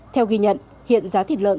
theo ghi nhận hiện giá thịt lợn